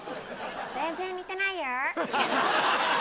全然似てないよー。